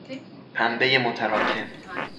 پنبهی متراکم